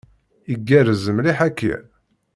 Igerrez mliḥ akya.